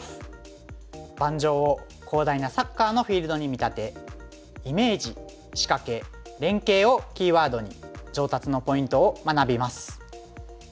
盤上を広大なサッカーのフィールドに見立て「イメージ」「仕掛け」「連携」をキーワードに上達のポイントを学びます。